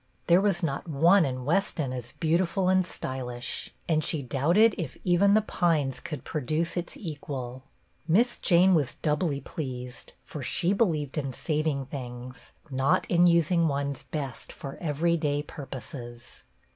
There was not one in Weston as beautiful and stylish ; and she doubted if even The Pines could produce its equal. Miss Jane was doubly pleased, for she be lieved in "saving things," not in using one's best for everyday purposes.